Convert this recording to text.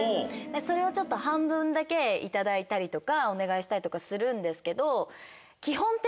それを半分だけいただいたりとかお願いしたりとかするんですけど。